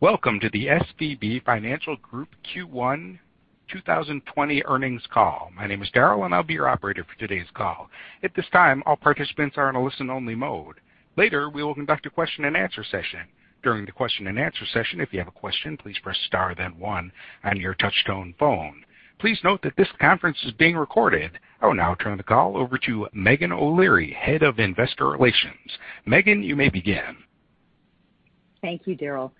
Welcome to the SVB Financial Group Q1 2020 earnings call. My name is Daryl, and I'll be your operator for today's call. At this time, all participants are in a listen-only mode. Later, we will conduct a question-and-answer session. During the question-and-answer session, if you have a question, please press star, then one on your touch-tone phone. Please note that this conference is being recorded. I will now turn the call over to Meghan O'Leary, Head of Investor Relations. Meghan, you may begin. Thank you, Daryl.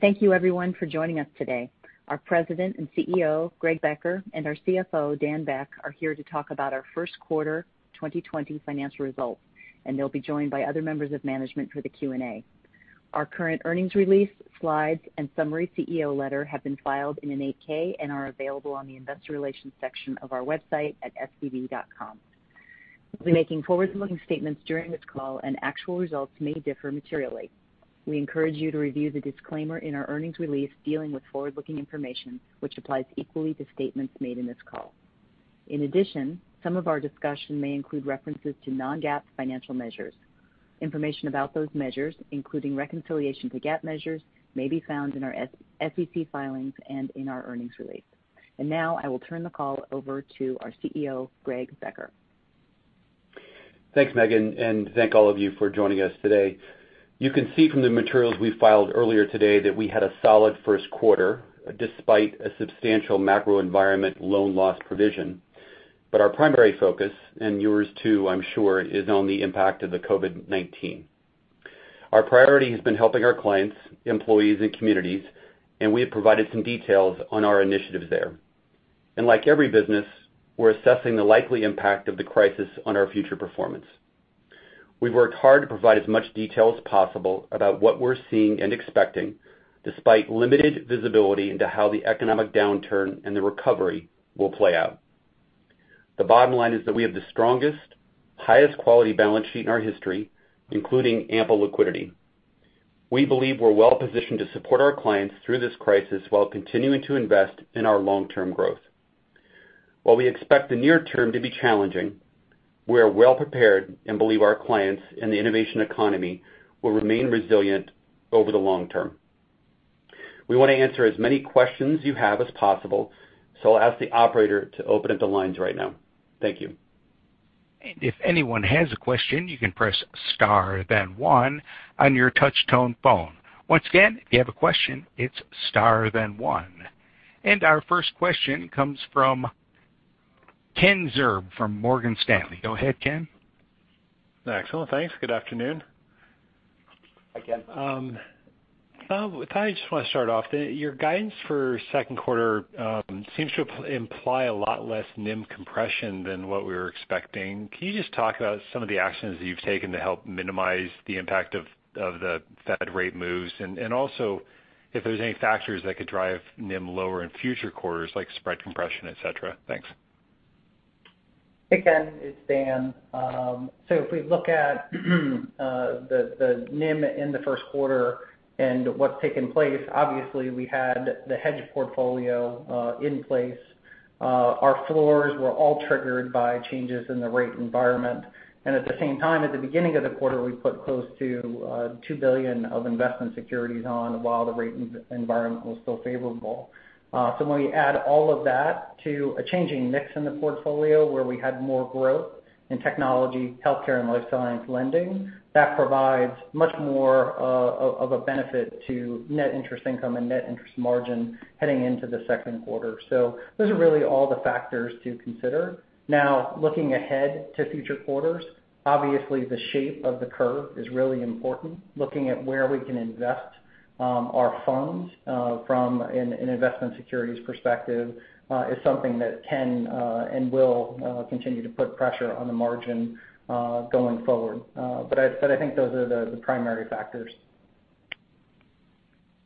Thank you everyone for joining us today. Our President and Chief Executive Officer, Greg Becker, and our Chief Financial Officer, Daniel Beck, are here to talk about our Q1 2020 financial results. They'll be joined by other members of management for the Q&A. Our current earnings release, slides, and summary CEO letter have been filed in an 8-K and are available on the Investor Relations section of our website at svb.com. We'll be making forward-looking statements during this call. Actual results may differ materially. We encourage you to review the disclaimer in our earnings release dealing with forward-looking information, which applies equally to statements made in this call. In addition, some of our discussion may include references to non-GAAP financial measures. Information about those measures, including reconciliation to GAAP measures, may be found in our SEC filings and in our earnings release. Now I will turn the call over to our CEO, Greg Becker. Thanks, Meghan, thank all of you for joining us today. You can see from the materials we filed earlier today that we had a solid Q1 despite a substantial macro environment loan loss provision. Our primary focus, and yours too, I'm sure, is on the impact of the COVID-19. Our priority has been helping our clients, employees, and communities, and we have provided some details on our initiatives there. Like every business, we're assessing the likely impact of the crisis on our future performance. We've worked hard to provide as much detail as possible about what we're seeing and expecting, despite limited visibility into how the economic downturn and the recovery will play out. The bottom line is that we have the strongest, highest quality balance sheet in our history, including ample liquidity. We believe we're well-positioned to support our clients through this crisis while continuing to invest in our long-term growth. While we expect the near term to be challenging, we are well-prepared and believe our clients in the innovation economy will remain resilient over the long term. I'll ask the operator to open up the lines right now. Thank you. If anyone has a question, you can press star, then one on your touch-tone phone. Once again, if you have a question, it's star, then one. Our first question comes from Kenneth Zerbe from Morgan Stanley. Go ahead, Ken. Excellent. Thanks. Good afternoon. Hi, Ken. I just want to start off. Your guidance for Q2 seems to imply a lot less NIM compression than what we were expecting. Can you just talk about some of the actions that you've taken to help minimize the impact of the Fed rate moves? Also, if there's any factors that could drive NIM lower in future quarters, like spread compression, et cetera. Thanks. Hey, Ken. It's Dan. If we look at the NIM in the Q1 and what's taken place, obviously we had the hedge portfolio in place. Our floors were all triggered by changes in the rate environment. At the same time, at the beginning of the quarter, we put close to $2 billion of investment securities on while the rate environment was still favorable. When we add all of that to a changing mix in the portfolio where we had more growth in technology, healthcare, and life science lending, that provides much more of a benefit to net interest income and net interest margin heading into the Q2. Those are really all the factors to consider. Now, looking ahead to future quarters, obviously the shape of the curve is really important. Looking at where we can invest our funds from an investment securities perspective is something that can and will continue to put pressure on the margin going forward. I think those are the primary factors.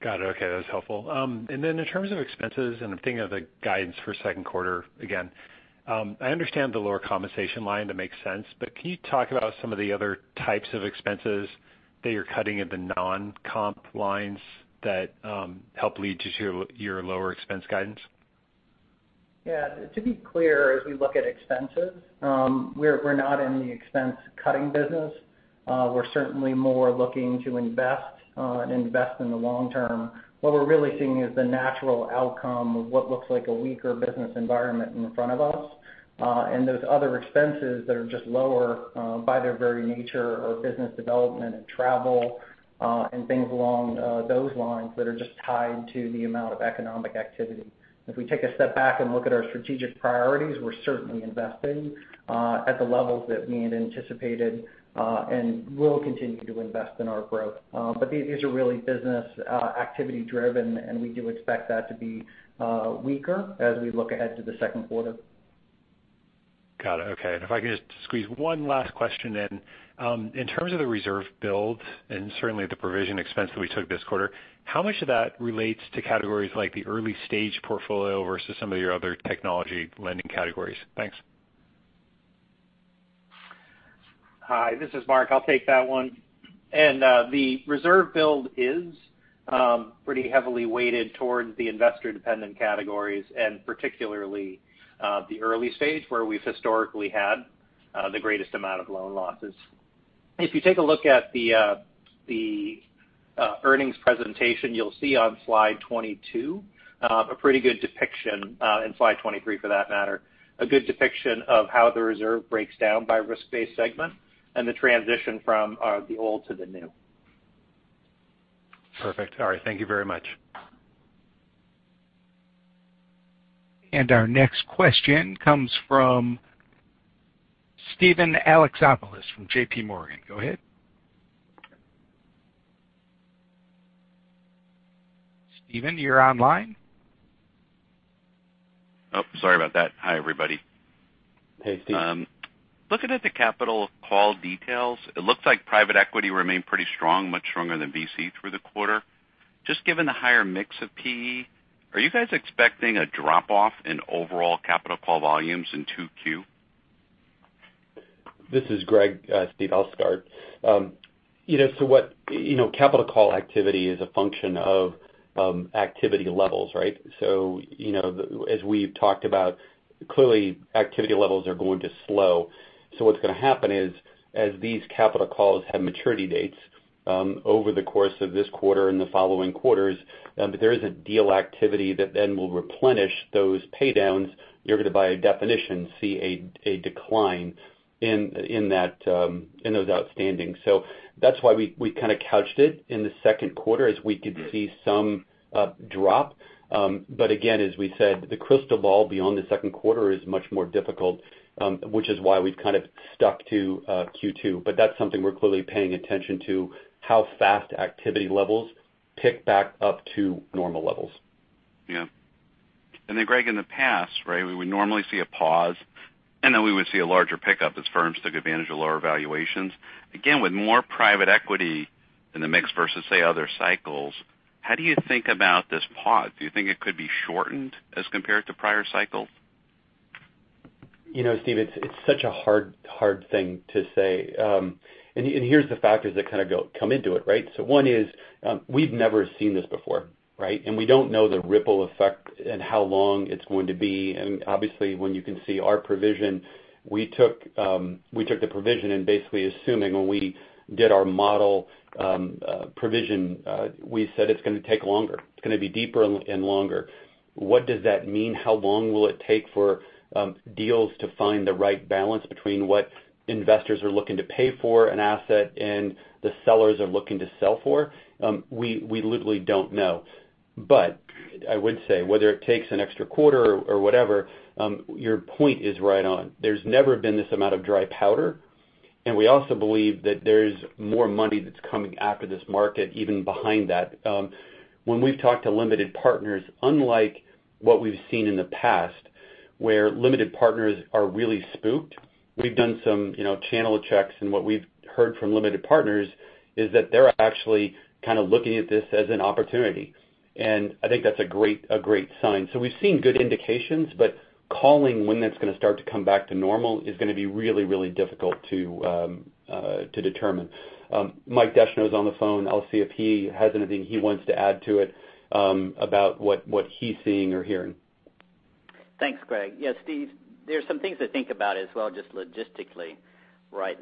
Got it. Okay. That's helpful. In terms of expenses, I'm thinking of the guidance for Q2 again. I understand the lower compensation line. That makes sense. Can you talk about some of the other types of expenses that you're cutting in the non-comp lines that help lead to your lower expense guidance? Yeah. To be clear, as we look at expenses, we're not in the expense-cutting business. We're certainly more looking to invest in the long term. What we're really seeing is the natural outcome of what looks like a weaker business environment in front of us. Those other expenses that are just lower by their very nature are business development and travel, and things along those lines that are just tied to the amount of economic activity. If we take a step back and look at our strategic priorities, we're certainly investing at the levels that we had anticipated and will continue to invest in our growth. These are really business activity driven, and we do expect that to be weaker as we look ahead to the Q2. Got it. Okay. If I could just squeeze one last question in. In terms of the reserve build and certainly the provision expense that we took this quarter, how much of that relates to categories like the early-stage portfolio versus some of your other technology lending categories? Thanks. Hi, this is Marc. I'll take that one. The reserve build is pretty heavily weighted towards the investor-dependent categories and particularly the early stage where we've historically had the greatest amount of loan losses. If you take a look at the earnings presentation, you'll see on slide 22 a pretty good depiction, and slide 23 for that matter, a good depiction of how the reserve breaks down by risk-based segment and the transition from the old to the new. Perfect. All right. Thank you very much. Our next question comes from Steven Alexopoulos from J.P. Morgan. Go ahead. Steven, you're online? Oh, sorry about that. Hi, everybody. Hey, Steve. Looking at the capital call details, it looks like private equity remained pretty strong, much stronger than VC through the quarter. Just given the higher mix of PE, are you guys expecting a drop-off in overall capital call volumes in 2Q? This is Greg. Steven, I'll start. Capital call activity is a function of activity levels, right? As we've talked about, clearly activity levels are going to slow. What's going to happen is as these capital calls have maturity dates over the course of this quarter and the following quarters, but there is a deal activity that then will replenish those pay downs. You're going to, by definition, see a decline in those outstandings. That's why we kind of couched it in the Q2 as we could see some drop. Again, as we said, the crystal ball beyond the Q2 is much more difficult, which is why we've kind of stuck to Q2. That's something we're clearly paying attention to, how fast activity levels pick back up to normal levels. Yeah. Then Greg, in the past, right, we would normally see a pause, and then we would see a larger pickup as firms took advantage of lower valuations. Again, with more private equity in the mix versus, say, other cycles, how do you think about this pause? Do you think it could be shortened as compared to prior cycles? Steve, it's such a hard thing to say. Here's the factors that kind of come into it, right? One is we've never seen this before, right? We don't know the ripple effect and how long it's going to be. Obviously, when you can see our provision, we took the provision and basically assuming when we did our model provision, we said it's going to take longer. It's going to be deeper and longer. What does that mean? How long will it take for deals to find the right balance between what investors are looking to pay for an asset and the sellers are looking to sell for? We literally don't know. I would say, whether it takes an extra quarter or whatever, your point is right on. There's never been this amount of dry powder, and we also believe that there's more money that's coming after this market, even behind that. When we've talked to limited partners, unlike what we've seen in the past, where limited partners are really spooked, we've done some channel checks, and what we've heard from limited partners is that they're actually kind of looking at this as an opportunity. I think that's a great sign. We've seen good indications, but calling when that's going to start to come back to normal is going to be really difficult to determine. Mike Descheneaux is on the phone. I'll see if he has anything he wants to add to it about what he's seeing or hearing. Thanks, Greg. Yeah, Steve, there's some things to think about as well, just logistically, right?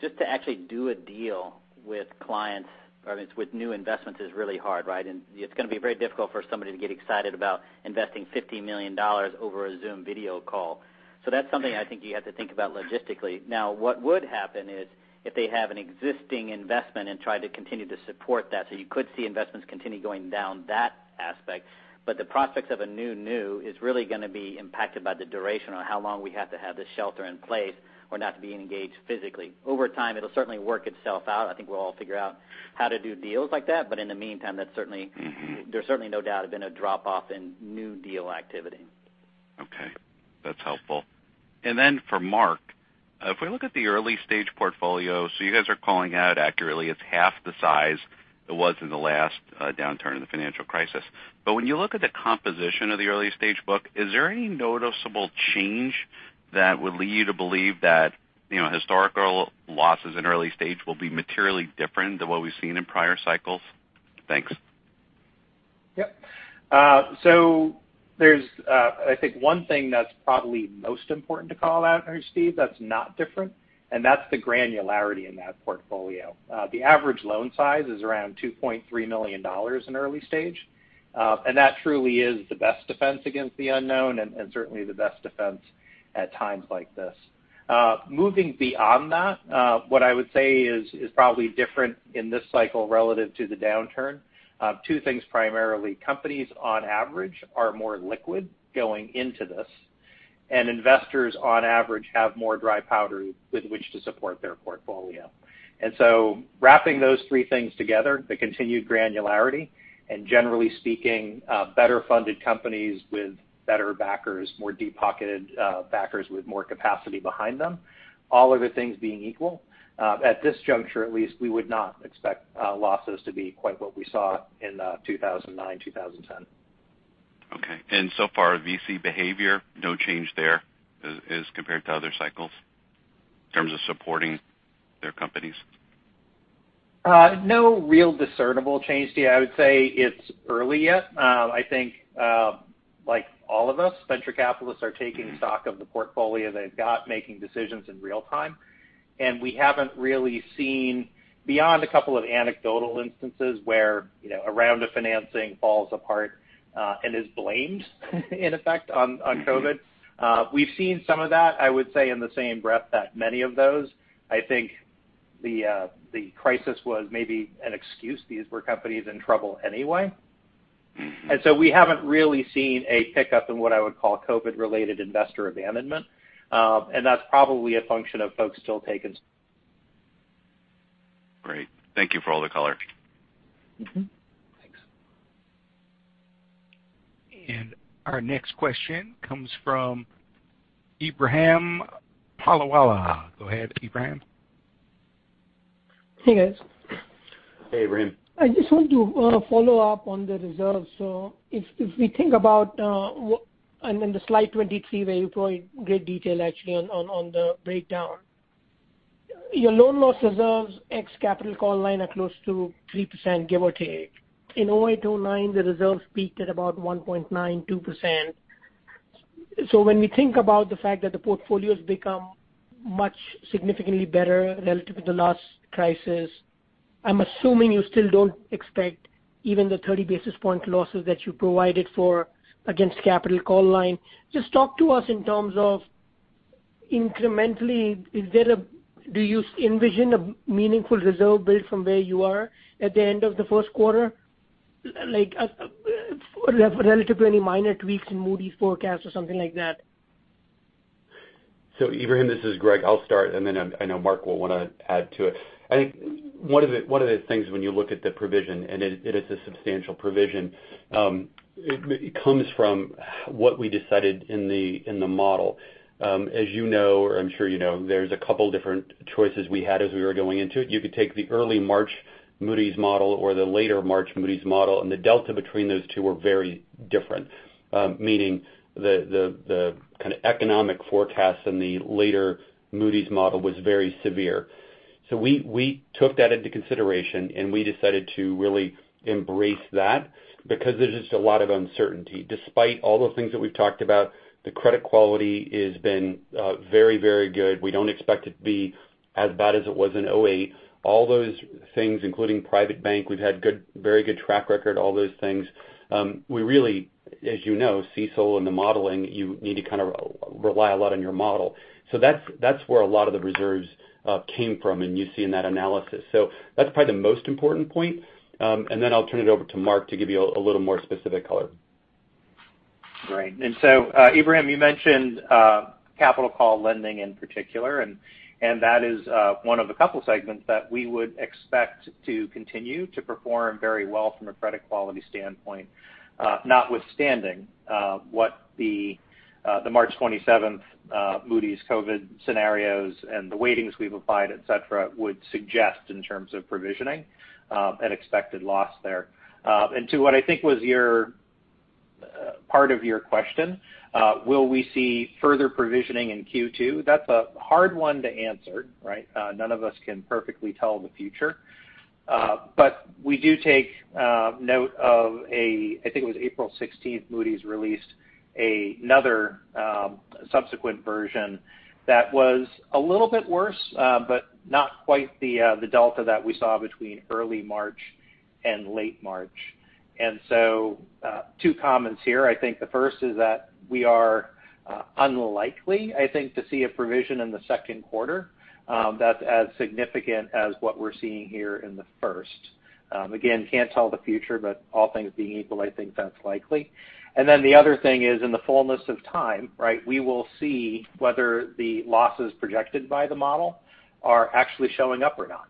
Just to actually do a deal with clients, or I mean, with new investments is really hard, right? It's going to be very difficult for somebody to get excited about investing $50 million over a Zoom video call. That's something I think you have to think about logistically. Now, what would happen is if they have an existing investment and try to continue to support that, so you could see investments continue going down that aspect. The prospects of a new is really going to be impacted by the duration on how long we have to have this shelter in place or not to be engaged physically. Over time, it'll certainly work itself out. I think we'll all figure out how to do deals like that. In the meantime, there's certainly no doubt have been a drop-off in new deal activity. Okay. That's helpful. For Marc, if we look at the early-stage portfolio, you guys are calling out accurately it's half the size it was in the last downturn in the financial crisis. When you look at the composition of the early-stage book, is there any noticeable change that would lead you to believe that historical losses in early stage will be materially different than what we've seen in prior cycles? Thanks. Yep. There's I think one thing that's probably most important to call out, Steve, that's not different, and that's the granularity in that portfolio. The average loan size is around $2.3 million in early stage, and that truly is the best defense against the unknown and certainly the best defense at times like this. Moving beyond that, what I would say is probably different in this cycle relative to the downturn, two things primarily. Companies, on average, are more liquid going into this, and investors, on average, have more dry powder with which to support their portfolio. Wrapping those three things together, the continued granularity, and generally speaking, better-funded companies with better backers, more deep-pocketed backers with more capacity behind them. All other things being equal, at this juncture at least, we would not expect losses to be quite what we saw in 2009, 2010. So far, VC behavior, no change there as compared to other cycles in terms of supporting their companies? No real discernible change yet. I would say it's early yet. I think, like all of us, venture capitalists are taking stock of the portfolio they've got, making decisions in real-time. We haven't really seen beyond a couple of anecdotal instances where a round of financing falls apart and is blamed in effect on COVID. We've seen some of that, I would say in the same breath that many of those, I think the crisis was maybe an excuse. These were companies in trouble anyway. We haven't really seen a pickup in what I would call COVID-related investor abandonment. That's probably a function of folks still. Great. Thank you for all the color. Thanks. Our next question comes from Ebrahim Poonawala. Go ahead, Ebrahim. Hey, guys. Hey, Ebrahim. I just want to follow-up on the reserves. If we think about and in the slide 23, where you provide great detail actually on the breakdown. Your loan loss reserves ex capital call line are close to 3%, give or take. In 2008, 2009, the reserves peaked at about 1.9%, 2%. When we think about the fact that the portfolio's become much significantly better relative to the last crisis, I'm assuming you still don't expect even the 30 basis point losses that you provided for against capital call line. Just talk to us in terms of incrementally, do you envision a meaningful reserve build from where you are at the end of the Q1? Like relative to any minor tweaks in Moody's forecast or something like that? Ebrahim, this is Greg. I'll start, and then I know Marc will want to add to it. I think one of the things when you look at the provision, and it is a substantial provision, it comes from what we decided in the model. As you know, or I'm sure you know, there's a couple different choices we had as we were going into it. You could take the early March Moody's model or the later March Moody's model, the delta between those two were very different. Meaning the kind of economic forecast in the later Moody's model was very severe. We took that into consideration, and we decided to really embrace that because there's just a lot of uncertainty. Despite all those things that we've talked about, the credit quality has been very good. We don't expect it to be as bad as it was in 2008. All those things, including private bank, we've had very good track record, all those things. We really, as you know, CECL and the modeling, you need to kind of rely a lot on your model. That's where a lot of the reserves came from, and you see in that analysis. That's probably the most important point. Then I'll turn it over to Marc to give you a little more specific color. Right. Ebrahim, you mentioned capital call lending in particular, and that is one of a couple segments that we would expect to continue to perform very well from a credit quality standpoint. Notwithstanding what the March 27th Moody's COVID scenarios and the weightings we've applied, et cetera, would suggest in terms of provisioning an expected loss there. To what I think was part of your question, will we see further provisioning in Q2? That's a hard one to answer, right? None of us can perfectly tell the future. We do take note of a, I think it was April 16th, Moody's released another subsequent version that was a little bit worse but not quite the delta that we saw between early March and late March. Two comments here. I think the first is that we are unlikely, I think, to see a provision in the Q2 that's as significant as what we're seeing here in the first. Again, can't tell the future, but all things being equal, I think that's likely. The other thing is in the fullness of time, we will see whether the losses projected by the model are actually showing up or not.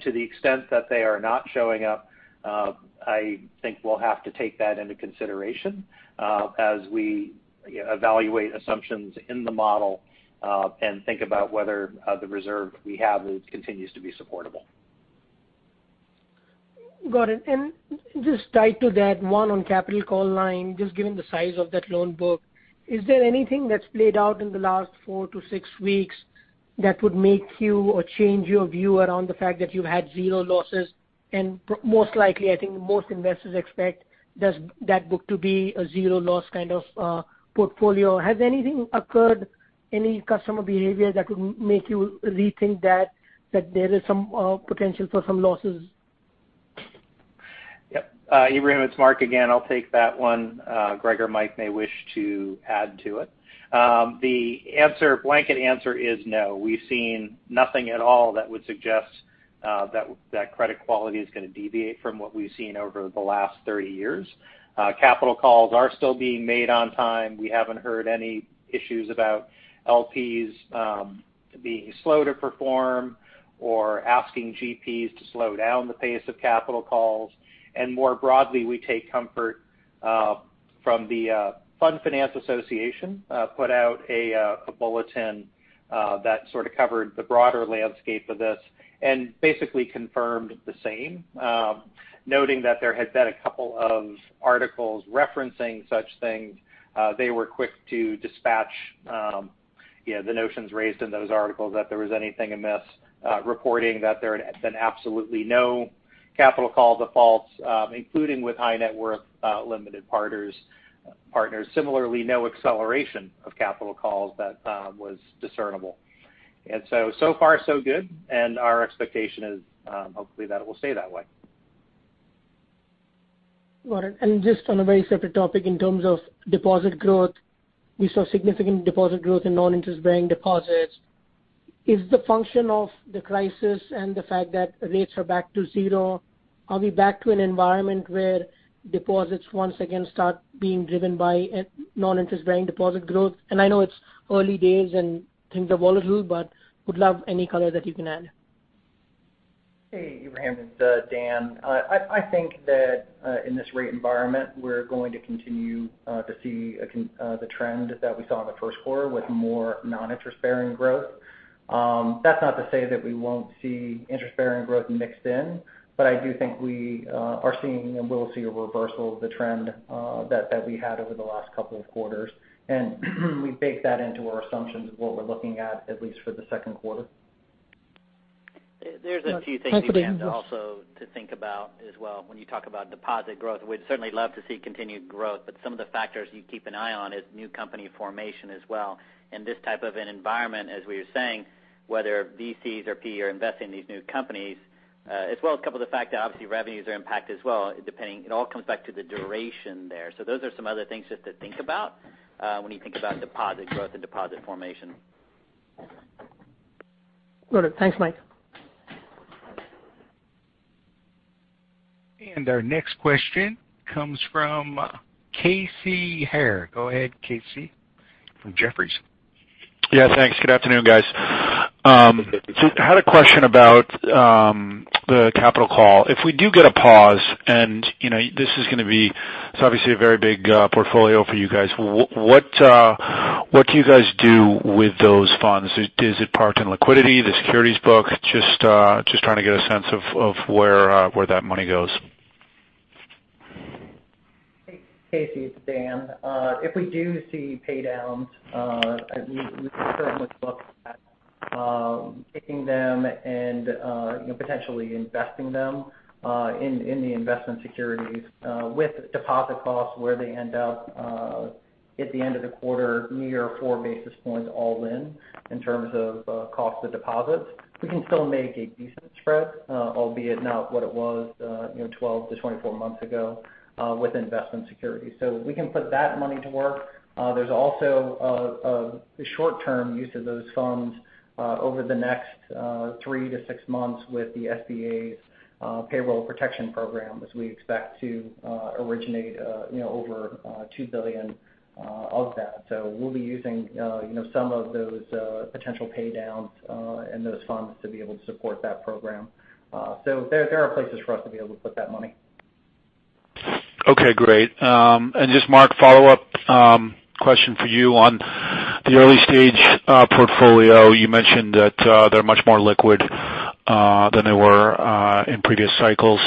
To the extent that they are not showing up, I think we'll have to take that into consideration as we evaluate assumptions in the model, and think about whether the reserve we have continues to be supportable. Got it. Just tied to that one on capital call line, just given the size of that loan book, is there anything that's played out in the last four-six weeks that would make you or change your view around the fact that you've had zero losses? Most likely, I think most investors expect that book to be a zero-loss kind of portfolio. Has anything occurred, any customer behavior that would make you rethink that there is some potential for some losses? Yep. Ebrahim, it's Marc again. I'll take that one. Greg or Mike may wish to add to it. The blanket answer is no. We've seen nothing at all that would suggest that credit quality is going to deviate from what we've seen over the last 30 years. Capital calls are still being made on time. We haven't heard any issues about LPs being slow to perform or asking GPs to slow down the pace of capital calls. More broadly, we take comfort from the Fund Finance Association, put out a bulletin that sort of covered the broader landscape of this and basically confirmed the same. Noting that there had been a couple of articles referencing such things. They were quick to dispatch the notions raised in those articles that there was anything amiss, reporting that there had been absolutely no capital call defaults, including with high net worth limited partners. Similarly, no acceleration of capital calls that was discernible. So far so good, and our expectation is hopefully that it will stay that way. Got it. Just on a very separate topic, in terms of deposit growth, we saw significant deposit growth in non-interest bearing deposits. Is the function of the crisis and the fact that rates are back to zero, are we back to an environment where deposits once again start being driven by non-interest bearing deposit growth? I know it's early days and things are volatile, but would love any color that you can add. Hey, Ebrahim. It's Daniel. I think that in this rate environment, we're going to continue to see the trend that we saw in the Q1 with more non-interest bearing growth. That's not to say that we won't see interest-bearing growth mixed in, but I do think we are seeing, and will see, a reversal of the trend that we had over the last couple of quarters. We bake that into our assumptions of what we're looking at least for the Q2. There's a few things. Got it. Thank you, Dan. We have to also think about as well when you talk about deposit growth. We'd certainly love to see continued growth, but some of the factors you keep an eye on is new company formation as well. In this type of an environment, as we were saying, whether VCs or PE are investing in these new companies, as well as couple of the fact that obviously revenues are impacted as well, depending, it all comes back to the duration there. Those are some other things just to think about when you think about deposit growth and deposit formation. Got it. Thanks, Marc. Our next question comes from Casey Haire. Go ahead, Casey, from Jefferies. Thanks. Good afternoon, guys. Had a question about the capital call. If we do get a pause, and it's obviously a very big portfolio for you guys. What do you guys do with those funds? Is it parked in liquidity, the securities book? Just trying to get a sense of where that money goes. Hey, Casey Haire, it's Daniel Beck. If we do see pay downs, we certainly look at taking them and potentially investing them in the investment securities. With deposit costs where they end up at the end of the quarter year, 4 basis points all in terms of cost of deposits, we can still make a decent spread, albeit not what it was 12-24 months ago, with investment securities. We can put that money to work. There's also a short-term use of those funds, over the next three-six months with the SBA's Paycheck Protection Program, as we expect to originate over $2 billion of that. We'll be using some of those potential pay downs and those funds to be able to support that program. There are places for us to be able to put that money. Okay, great. Just Marc, follow-up question for you on the early stage portfolio. You mentioned that they're much more liquid than they were in previous cycles.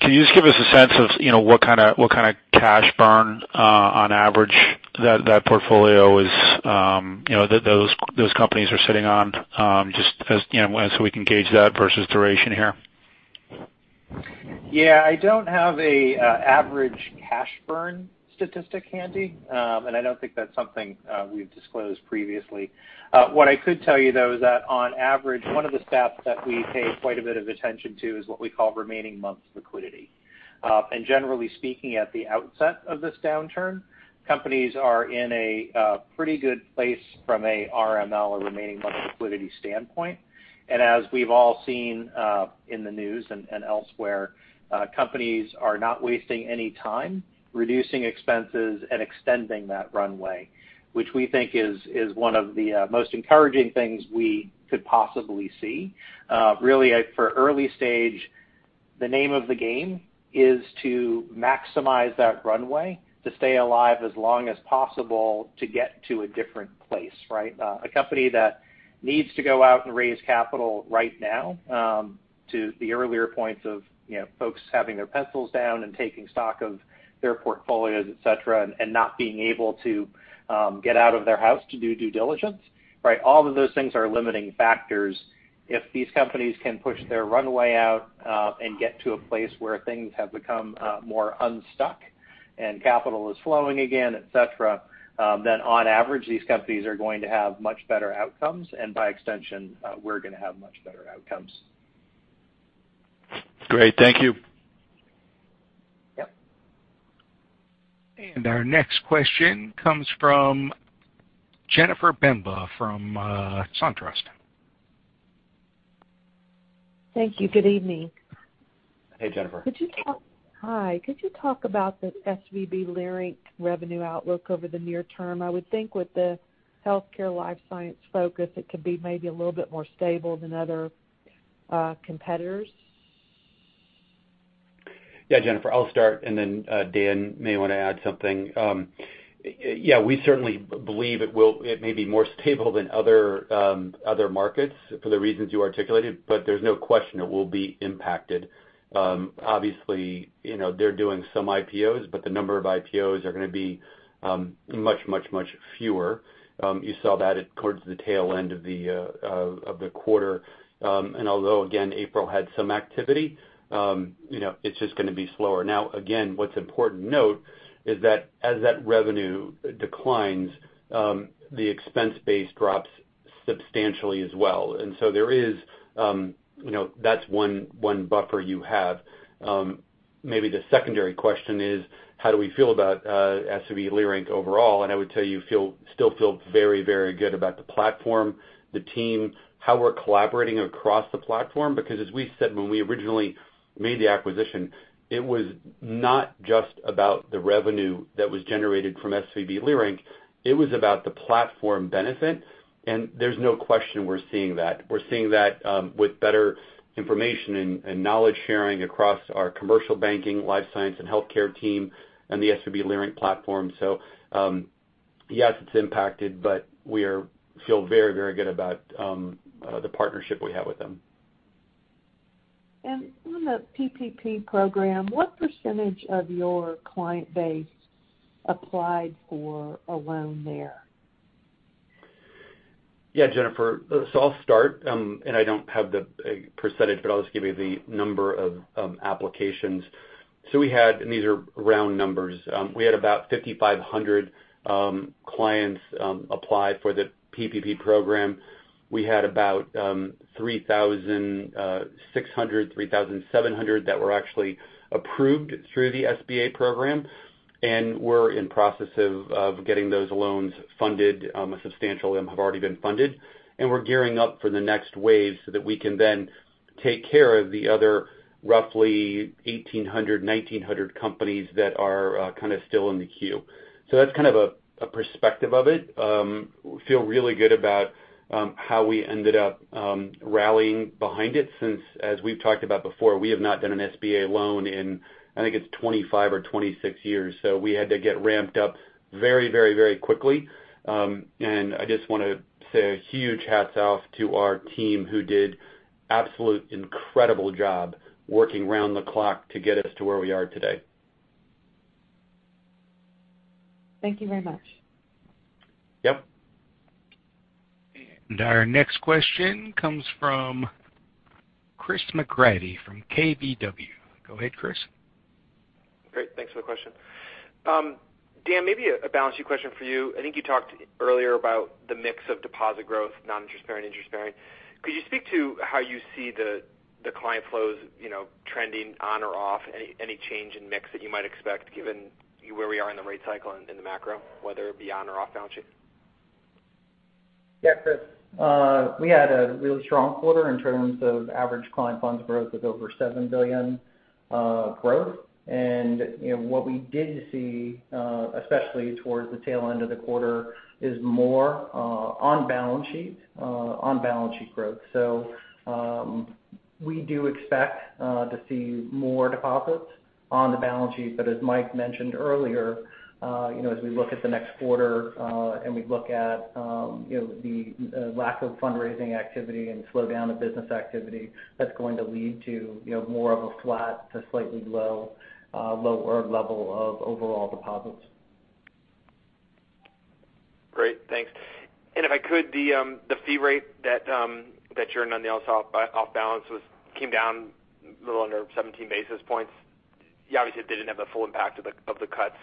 Can you just give us a sense of what kind of cash burn on average that portfolio is, those companies are sitting on, just so we can gauge that versus duration here? I don't have an average cash burn statistic handy. I don't think that's something we've disclosed previously. What I could tell you, though, is that on average, one of the stats that we pay quite a bit of attention to is what we call remaining months liquidity. Generally speaking, at the outset of this downturn, companies are in a pretty good place from a RML or remaining months liquidity standpoint. As we've all seen in the news and elsewhere, companies are not wasting any time reducing expenses and extending that runway, which we think is one of the most encouraging things we could possibly see. Really, for early stage, the name of the game is to maximize that runway to stay alive as long as possible to get to a different place, right? A company that needs to go out and raise capital right now, to the earlier points of folks having their pencils down and taking stock of their portfolios, et cetera, and not being able to get out of their house to do due diligence. All of those things are limiting factors. If these companies can push their runway out, and get to a place where things have become more unstuck and capital is flowing again, et cetera, then on average, these companies are going to have much better outcomes. By extension, we're going to have much better outcomes. Great. Thank you. Yep. Our next question comes from Jennifer Demba from SunTrust. Thank you. Good evening. Hey, Jennifer. Hi. Could you talk about the SVB Leerink revenue outlook over the near term? I would think with the healthcare life science focus, it could be maybe a little bit more stable than other competitors. Jennifer, I'll start, and then Dan may want to add something. We certainly believe it may be more stable than other markets for the reasons you articulated, but there's no question it will be impacted. Obviously, they're doing some IPOs, but the number of IPOs are going to be much fewer. You saw that towards the tail end of the quarter. Although, again, April had some activity, it's just going to be slower. Now, again, what's important to note is that as that revenue declines, the expense base drops substantially as well. That's one buffer you have. Maybe the secondary question is how do we feel about SVB Leerink overall? I would tell you, still feel very good about the platform, the team, how we're collaborating across the platform. As we said when we originally made the acquisition, it was not just about the revenue that was generated from SVB Leerink, it was about the platform benefit, and there's no question we're seeing that. We're seeing that with better information and knowledge-sharing across our commercial banking, life science, and healthcare team, and the SVB Leerink platform. Yes, it's impacted, but we feel very good about the partnership we have with them. On the PPP program, what percentage of your client base applied for a loan there? Jennifer. I'll start, and I don't have the percentage, but I'll just give you the number of applications. We had, and these are round numbers. We had about 5,500 clients apply for the PPP program. We had about 3,600, 3,700 that were actually approved through the SBA program. We're in process of getting those loans funded. A substantial amount have already been funded. We're gearing up for the next wave so that we can then take care of the other roughly 1,800, 1,900 companies that are still in the queue. That's kind of a perspective of it. Feel really good about how we ended up rallying behind it, since, as we've talked about before, we have not done an SBA loan in, I think it's 25 or 26 years. We had to get ramped up very quickly. I just want to say a huge hats off to our team who did absolute incredible job working round the clock to get us to where we are today. Thank you very much. Yep. Our next question comes from Chris McGratty from KBW. Go ahead, Chris. Great. Thanks for the question. Dan, maybe a balance sheet question for you. I think you talked earlier about the mix of deposit growth, non-interest bearing, interest bearing. Could you speak to how you see the client flows trending on or off? Any change in mix that you might expect given where we are in the rate cycle and in the macro, whether it be on or off balance sheet? Yeah, Chris. We had a really strong quarter in terms of average client funds growth with over $7 billion growth. What we did see, especially towards the tail end of the quarter, is more on balance sheet growth. We do expect to see more deposits on the balance sheet, but as Mike mentioned earlier, as we look at the next quarter, and we look at the lack of fundraising activity and slowdown of business activity, that's going to lead to more of a flat to slightly lower level of overall deposits. Great. Thanks. If I could, the fee rate that you earned on the off-balance came down a little under 17 basis points. You obviously didn't have the full impact of the cuts.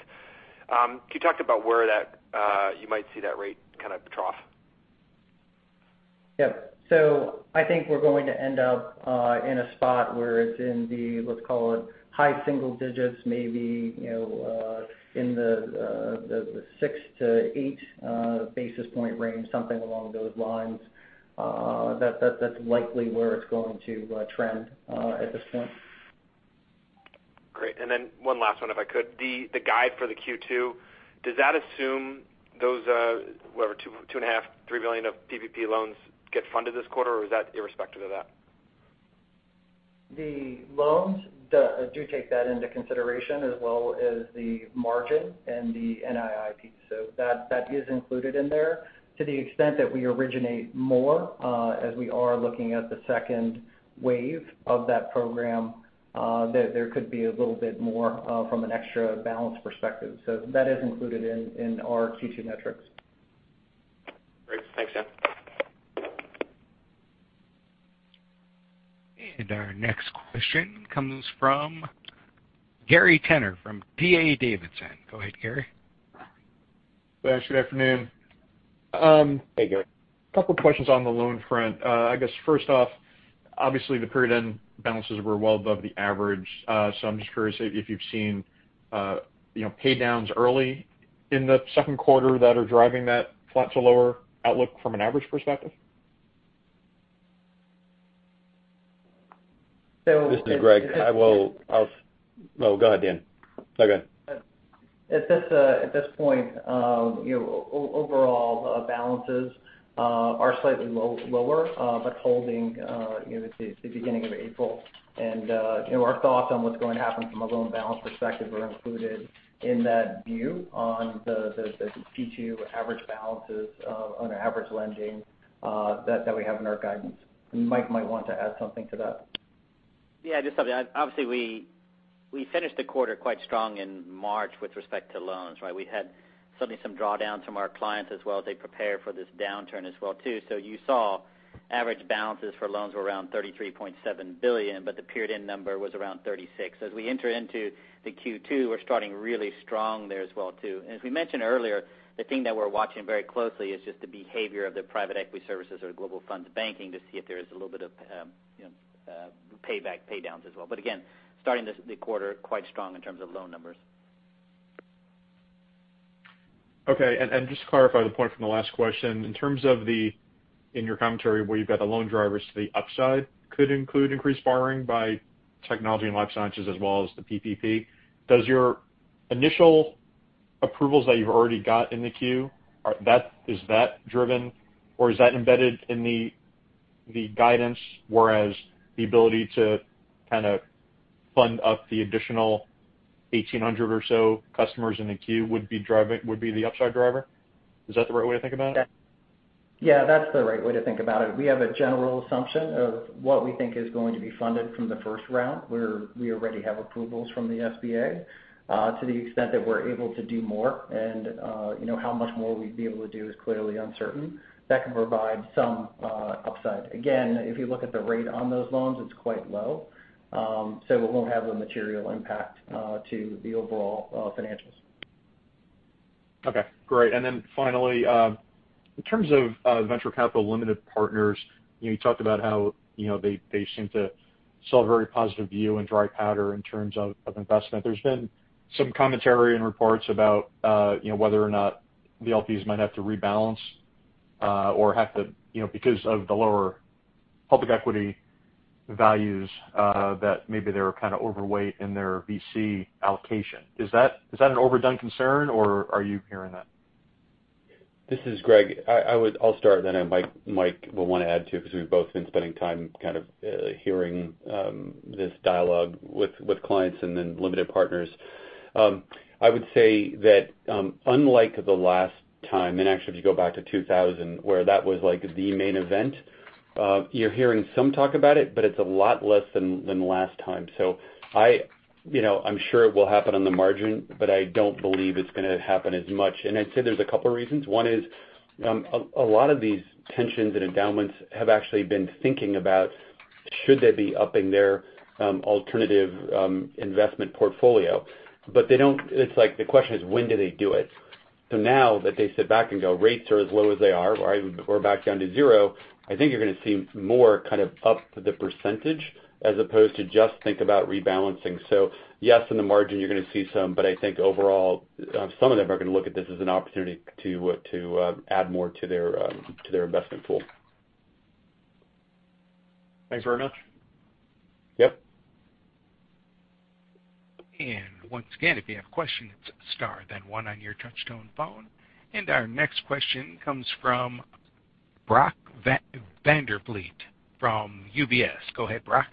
Can you talk about where you might see that rate kind of trough? I think we're going to end up in a spot where it's in the, let's call it, high single digits, maybe in the 6-8 basis point range, something along those lines. That's likely where it's going to trend at this point. Great. One last one, if I could. The guide for the Q2, does that assume those, whatever, $2.5, $3 billion of PPP loans get funded this quarter, or is that irrespective of that? The loans do take that into consideration as well as the margin and the NII piece. That is included in there. To the extent that we originate more, as we are looking at the second wave of that program, there could be a little bit more from an extra balance perspective. That is included in our Q2 metrics. Great. Thanks, Dan. Our next question comes from Gary Tenner from D.A. Davidson. Go ahead, Gary. Thanks. Good afternoon. Hey, Gary. A couple questions on the loan front. I guess first off, obviously the period-end balances were well above the average. I'm just curious if you've seen pay-downs early in the Q2 that are driving that flat to lower outlook from an average perspective. This is Greg. No, go ahead, Dan. Go ahead. At this point, overall balances are slightly lower but holding the beginning of April. Our thoughts on what's going to happen from a loan balance perspective are included in that view on the Q2 average balances on our average lending that we have in our guidance. Mike might want to add something to that. Yeah, just something. Obviously, we finished the quarter quite strong in March with respect to loans, right? We had suddenly some drawdowns from our clients as well as they prepare for this downturn as well, too. You saw average balances for loans were around $33.7 billion, but the period end number was around $36 billion. As we enter into the Q2, we're starting really strong there as well, too. As we mentioned earlier, the thing that we're watching very closely is just the behavior of the private equity services or global fund banking to see if there is a little bit of payback, pay downs as well. Again, starting the quarter quite strong in terms of loan numbers. Just to clarify the point from the last question, in terms of your commentary where you've got the loan drivers to the upside could include increased borrowing by technology and life sciences as well as the PPP. Does your initial approvals that you've already got in the queue, is that driven or is that embedded in the guidance whereas the ability to kind of fund up the additional 1,800 or so customers in the queue would be the upside driver? Is that the right way to think about it? Yeah, that's the right way to think about it. We have a general assumption of what we think is going to be funded from the first round, where we already have approvals from the SBA. To the extent that we're able to do more and how much more we'd be able to do is clearly uncertain. That can provide some upside. Again, if you look at the rate on those loans, it's quite low. It won't have a material impact to the overall financials. Okay, great. Finally, in terms of venture capital limited partners, you talked about how they seem to sell a very positive view in dry powder in terms of investment. There's been some commentary and reports about whether or not the LPs might have to rebalance because of the lower public equity values that maybe they were kind of overweight in their VC allocation. Is that an overdone concern or are you hearing that? This is Greg. I'll start then Mike will want to add too because we've both been spending time kind of hearing this dialogue with clients and then limited partners. I would say that unlike the last time, and actually if you go back to 2000 where that was like the main event, you're hearing some talk about it, but it's a lot less than last time. I'm sure it will happen on the margin, but I don't believe it's going to happen as much. I'd say there's a couple reasons. One is a lot of these pensions and endowments have actually been thinking about should they be upping their alternative investment portfolio. It's like the question is when do they do it? Now that they sit back and go, rates are as low as they are, right, we're back down to zero, I think you're going to see more kind of up the percentage as opposed to just think about rebalancing. Yes, in the margin you're going to see some, but I think overall, some of them are going to look at this as an opportunity to add more to their investment pool. Thanks very much. Yep. Once again, if you have questions, star then one on your touch-tone phone. Our next question comes from Brock Vandervliet from UBS. Go ahead, Brock.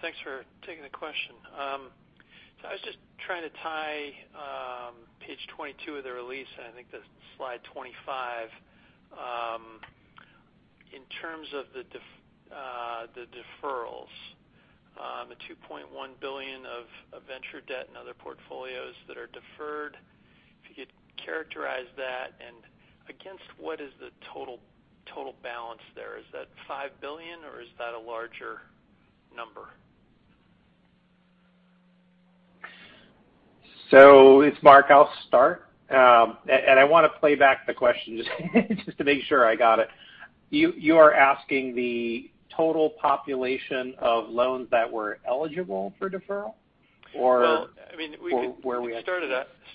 Thanks for taking the question. I was just trying to tie page 22 of the release and I think the slide 25 in terms of the deferrals, the $2.1 billion of venture debt and other portfolios that are deferred. If you could characterize that and against what is the total balance there? Is that $5 billion or is that a larger number? It's Marc, I'll start. I want to play back the question just to make sure I got it. You are asking the total population of loans that were eligible for deferral or where we actually- Well, I mean, we can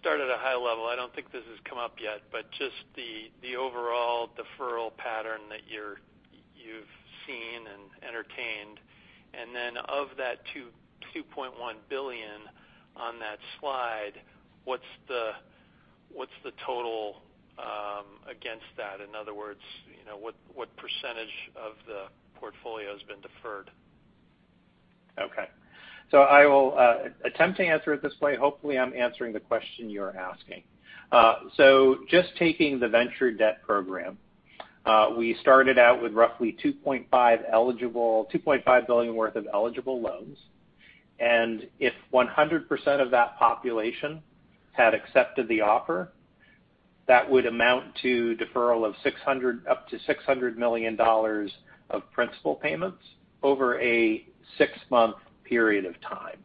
start at a high level. I don't think this has come up yet, just the overall deferral pattern that you've seen and entertained. Of that $2.1 billion on that slide, what's the total against that? In other words, what percentage of the portfolio has been deferred? Okay. I will attempt to answer it this way. Hopefully I'm answering the question you're asking. Just taking the venture debt program, we started out with roughly $2.5 billion worth of eligible loans, and if 100% of that population had accepted the offer, that would amount to deferral of up to $600 million of principal payments over a six-month period of time.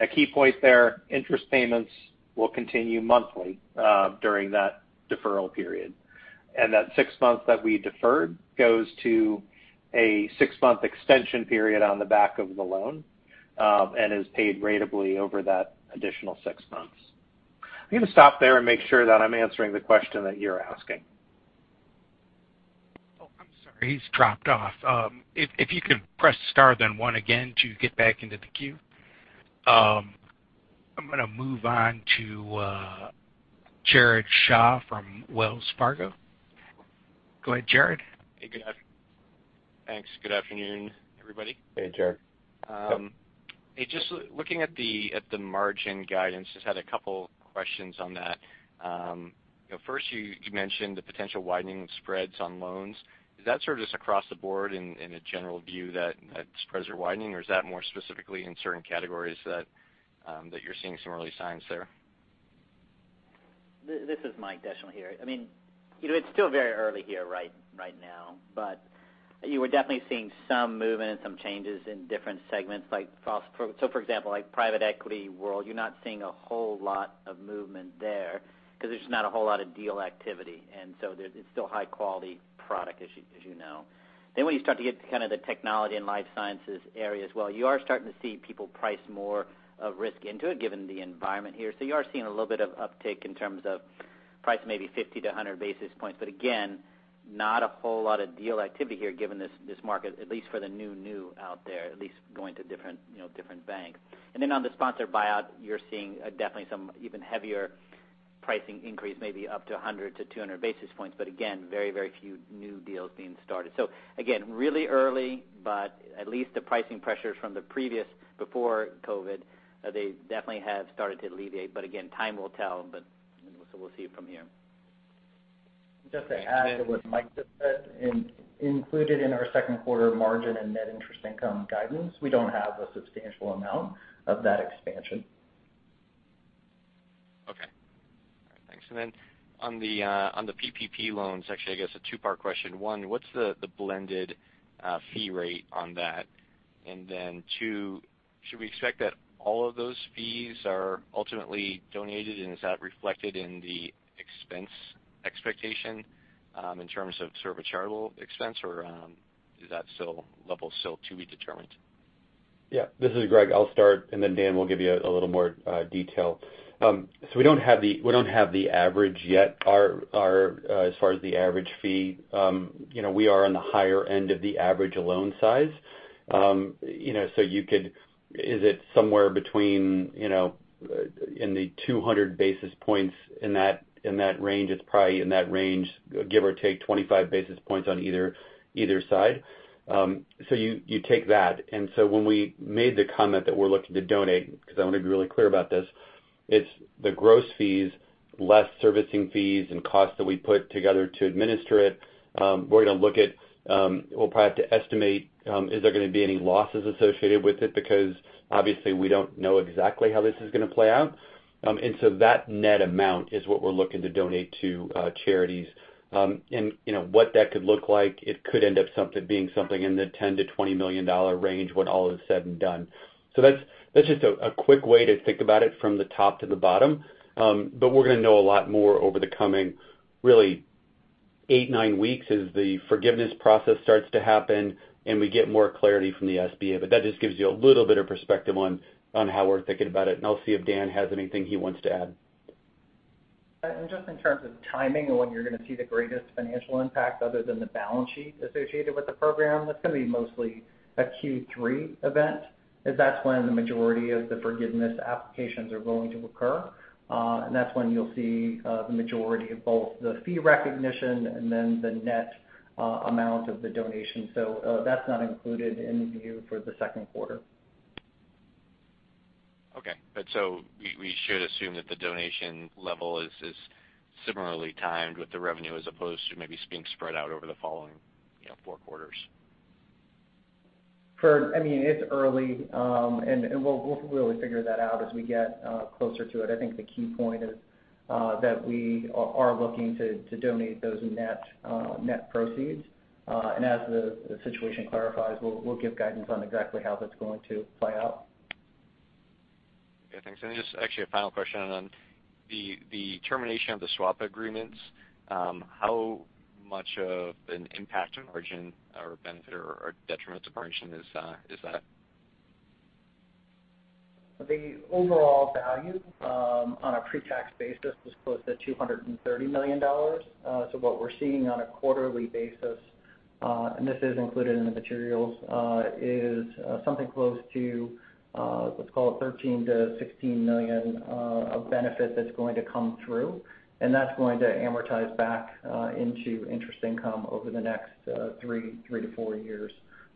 A key point there, interest payments will continue monthly during that deferral period. That six months that we deferred goes to a six-month extension period on the back of the loan and is paid ratably over that additional six months. I'm going to stop there and make sure that I'm answering the question that you're asking. He's dropped off. If you could press star then one again to get back into the queue. I'm going to move on to Jared Shaw from Wells Fargo. Go ahead, Jared. Hey, thanks. Good afternoon, everybody. Hey, Jared. Just looking at the margin guidance, just had a couple questions on that. First you mentioned the potential widening of spreads on loans. Is that sort of just across the board in a general view that spreads are widening or is that more specifically in certain categories that you're seeing some early signs there? This is Mike Descheneaux here. It's still very early here right now, but you are definitely seeing some movement and some changes in different segments. For example, like private equity world, you're not seeing a whole lot of movement there because there's just not a whole lot of deal activity. There's still high-quality product as you know. When you start to get kind of the technology and life sciences area as well, you are starting to see people price more of risk into it given the environment here. You are seeing a little bit of uptick in terms of price maybe 50-100 basis points, but again, not a whole lot of deal activity here given this market, at least for the new out there, at least going to different banks. On the sponsored buyout, you're seeing definitely some even heavier pricing increase, maybe up to 100-200 basis points. Again, very few new deals being started. Again, really early, but at least the pricing pressures from the previous before COVID, they definitely have started to alleviate. Again, time will tell, we'll see from here. Just to add to what Mike just said, included in our Q2 margin and net interest income guidance, we don't have a substantial amount of that expansion. Okay. All right, thanks. On the PPP loans, actually, I guess a two-part question. One, what's the blended fee rate on that? Two, should we expect that all of those fees are ultimately donated and is that reflected in the expense expectation in terms of charitable expense or is that level still to be determined? Yeah. This is Greg. I'll start and then Dan will give you a little more detail. We don't have the average yet as far as the average fee. We are on the higher end of the average loan size. Is it somewhere between in the 200 basis points in that range? It's probably in that range, give or take 25 basis points on either side. You take that. When we made the comment that we're looking to donate, because I want to be really clear about this, it's the gross fees less servicing fees and costs that we put together to administer it. We'll probably have to estimate is there going to be any losses associated with it because obviously we don't know exactly how this is going to play out. That net amount is what we're looking to donate to charities. What that could look like, it could end up being something in the $10 million-$20 million range when all is said and done. That's just a quick way to think about it from the top to the bottom. We're going to know a lot more over the coming really eight, nine weeks as the forgiveness process starts to happen and we get more clarity from the SBA. That just gives you a little bit of perspective on how we're thinking about it and I'll see if Dan has anything he wants to add. Just in terms of timing and when you're going to see the greatest financial impact other than the balance sheet associated with the program, that's going to be mostly a Q3 event, as that's when the majority of the forgiveness applications are going to occur. That's when you'll see the majority of both the fee recognition and then the net amount of the donation. That's not included in the view for the Q2. Okay. We should assume that the donation level is similarly timed with the revenue as opposed to maybe being spread out over the following four quarters. It's early. We'll figure that out as we get closer to it. I think the key point is that we are looking to donate those net proceeds. As the situation clarifies, we'll give guidance on exactly how that's going to play out. Okay, thanks. Just actually a final question on the termination of the swap agreements. How much of an impact on margin or benefit or detriment to margin is that? The overall value on a pre-tax basis was close to $230 million. What we're seeing on a quarterly basis, and this is included in the materials, is something close to, let's call it $13 million-$16 million of benefit that's going to come through, and that's going to amortize back into interest income over the next three-four years.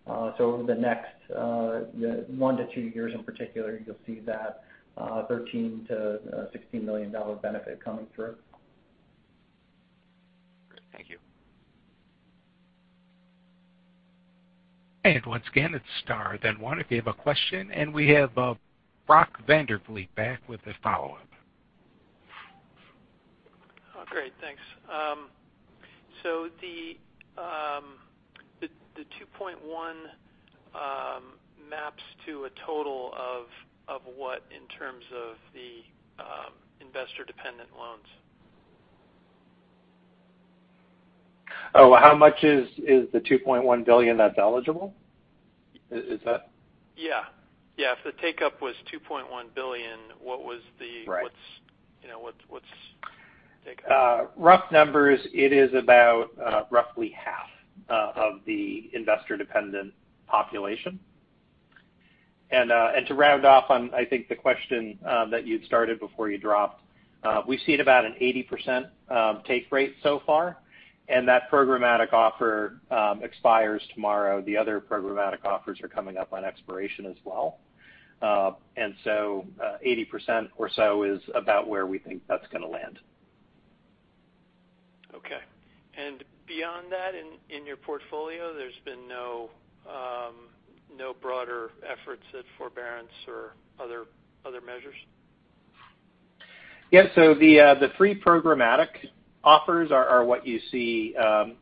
Over the next one to two years in particular, you'll see that $13 million-$16 million benefit coming through. Great. Thank you. Once again, it's star then one if you have a question, and we have Brock Vandervliet back with a follow-up. Oh, great. Thanks. The 2.1 maps to a total of what in terms of the investor-dependent loans? Oh, how much is the $2.1 billion that's eligible? Is that? Yeah. Yeah. If the take-up was $2.1 billion, what's the take-up? Rough numbers, it is about roughly half of the investor-dependent population. To round off on, I think, the question that you'd started before you dropped, we've seen about an 80% take rate so far, and that programmatic offer expires tomorrow. The other programmatic offers are coming up on expiration as well. So, 80% or so is about where we think that's going to land. Okay. Beyond that, in your portfolio, there's been no broader efforts at forbearance or other measures? Yeah. The three programmatic offers are what you see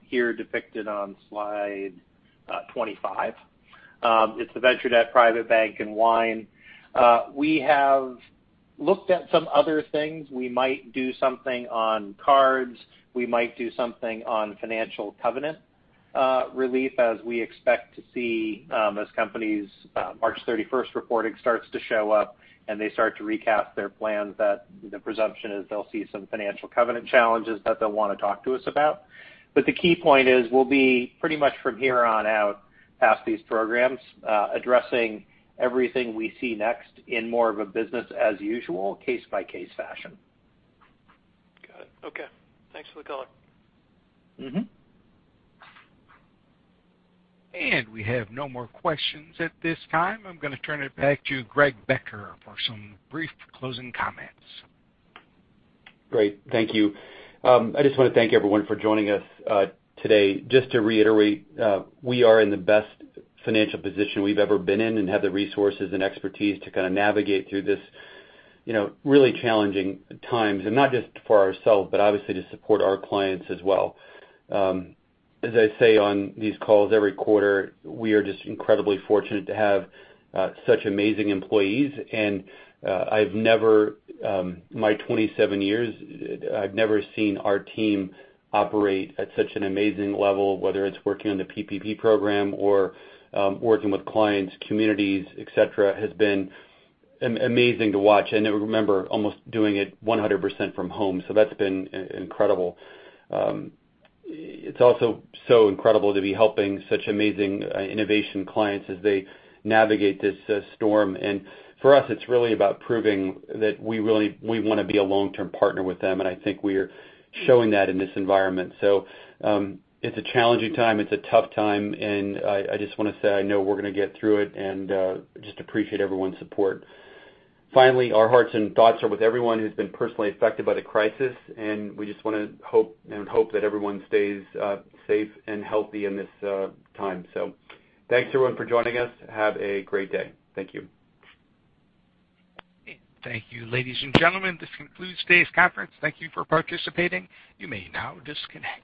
here depicted on slide 25. It's the venture debt, private bank and wine. We have looked at some other things. We might do something on cards. We might do something on financial covenant relief, as we expect to see as companies' March 31st reporting starts to show up and they start to recast their plans. The presumption is they'll see some financial covenant challenges that they'll want to talk to us about. The key point is we'll be pretty much from here on out past these programs, addressing everything we see next in more of a business as usual, case-by-case fashion. Got it. Okay. Thanks for the color. We have no more questions at this time. I'm going to turn it back to Greg Becker for some brief closing comments. Great. Thank you. I just want to thank everyone for joining us today. Just to reiterate, we are in the best financial position we've ever been in and have the resources and expertise to kind of navigate through this really challenging times. Not just for ourselves, but obviously to support our clients as well. As I say on these calls every quarter, we are just incredibly fortunate to have such amazing employees. In my 27 years, I've never seen our team operate at such an amazing level, whether it's working on the PPP program or working with clients, communities, et cetera, has been amazing to watch. Remember, almost doing it 100% from home, so that's been incredible. It's also so incredible to be helping such amazing innovation clients as they navigate this storm. For us, it's really about proving that we want to be a long-term partner with them, and I think we are showing that in this environment. It's a challenging time. It's a tough time, and I just want to say I know we're going to get through it and just appreciate everyone's support. Finally, our hearts and thoughts are with everyone who's been personally affected by the crisis, and we just want to hope that everyone stays safe and healthy in this time. Thanks everyone for joining us. Have a great day. Thank you. Thank you, ladies and gentlemen. This concludes today's conference. Thank you for participating. You may now disconnect.